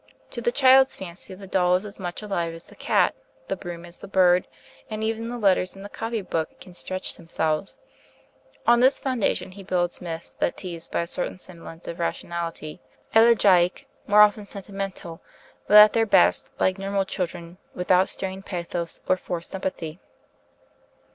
To the child's fancy the doll is as much alive as the cat, the broom as the bird, and even the letters in the copy book can stretch themselves. On this foundation he builds myths that tease by a certain semblance of rationality, elegiac, more often sentimental, but at their best, like normal children, without strained pathos or forced sympathy.